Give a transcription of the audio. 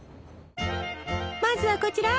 まずはこちら！